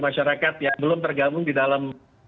masyarakat yang belum tergabung di dalam